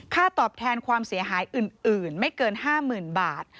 ตอบแทนความเสียหายอื่นไม่เกิน๕๐๐๐บาท